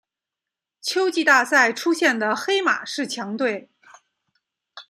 秋季大赛出现的黑马式强队。